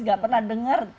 nggak pernah dengar